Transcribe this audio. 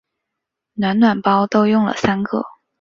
暖暖包都用了三个